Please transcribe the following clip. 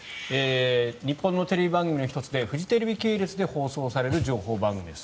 日本のテレビ番組の１つでフジテレビ系列で放送される情報番組です。